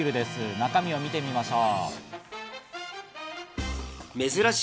中身を見てみましょう。